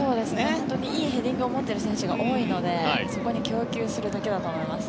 本当にいいヘディングを持っている選手が多いのでそこに供給するだけだと思います。